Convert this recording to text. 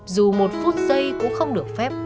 dù một phút giây cũng không được phép